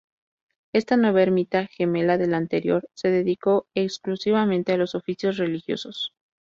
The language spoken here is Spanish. Esta nueva ermita, gemela de la anterior, se dedicó exclusivamente a los oficios religiosos.